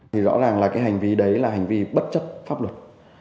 thì rõ ràng là cái hành vi đấy là hành vi bất chấp pháp luật